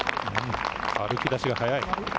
歩き出しが早い。